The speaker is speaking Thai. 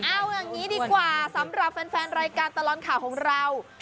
เอาอย่างนี้ดีกว่าสำหรับแฟนรายการตลอดข่าวของเรา